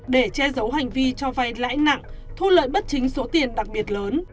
để che giấu hành vi cho vay lãi nặng thu lợi bất chính số tiền đặc biệt lớn